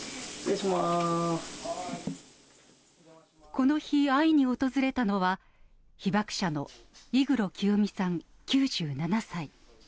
この日、会いに訪れたのは、被爆者の井黒キヨミさん９７歳。